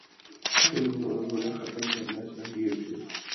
پھر جو انہیں ختم کرنا چاہتے تھے۔